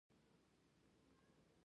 بادام د افغانستان د طبیعت د ښکلا برخه ده.